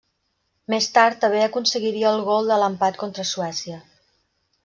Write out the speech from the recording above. Més tard també aconseguiria el gol de l'empat contra Suècia.